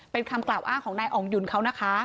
เป็นคำกล่าวอ้างของนายอ่องหยุ่นเขานะคะ